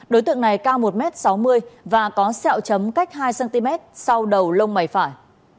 đối tượng này cao một m sáu mươi và có sẹo chấm cách hai cm sau đầu lông mày phải